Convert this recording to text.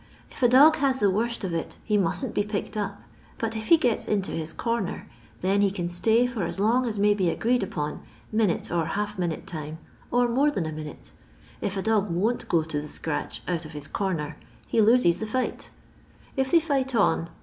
If a dog has the worst of it he mustn't be picked up, but if he gets into his comer, then he can stay for as long as may be agreed upon, minute or half minute time, or more than a minute. If a dog won't go to the scratch out of his comer, be loses the fight If they fight on.